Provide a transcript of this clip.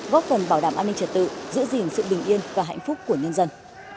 góp phần bảo đảm an ninh trật tự giữ gìn sự bình yên và hạnh phúc của nhân dân